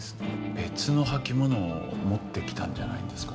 別の履物を持ってきたんじゃないんですか？